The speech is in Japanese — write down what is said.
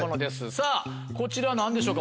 さぁこちら何でしょうか？